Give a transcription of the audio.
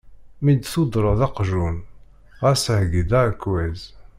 Mi d-tuddreḍ aqjun, ɣas heggi-d aɛekkaz.